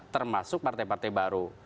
termasuk partai partai baru